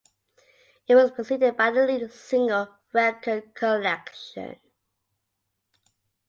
It was preceded by the lead single "Record Collection".